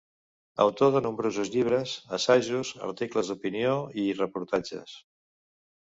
Autor de nombrosos llibres, assajos, articles d'opinió i reportatges.